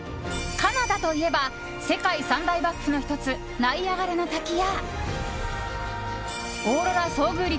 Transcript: カナダといえば世界三大瀑布の１つナイアガラの滝やオーロラ遭遇率